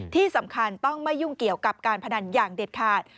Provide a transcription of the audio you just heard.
ที่สำคัญต้องไม่ยุ่งเกี่ยวกับการพนันอย่างเด็ดขาด